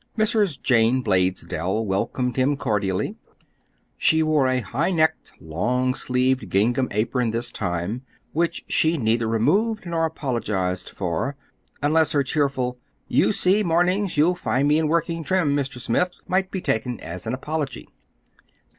Mrs. Jane Blaisdell welcomed him cordially. She wore a high necked, long sleeved gingham apron this time, which she neither removed nor apologized for—unless her cheerful "You see, mornings you'll find me in working trim, Mr. Smith," might be taken as an apology.